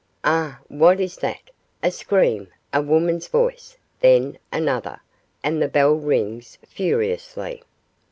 Ah! what is that? a scream a woman's voice then another, and the bell rings furiously.